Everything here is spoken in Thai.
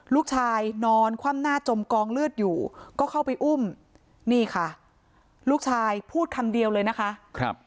ลูกชายนอนคว่ำหน้าจมกองเลือดอยู่ก็เข้าไปอุ้มนี่ค่ะลูกชายพูดคำเดียวเลยนะคะ